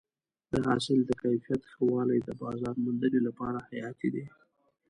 د حاصل د کیفیت ښه والی د بازار موندنې لپاره حیاتي دی.